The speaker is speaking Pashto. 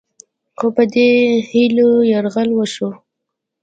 خو په دې هیلو یرغل وشو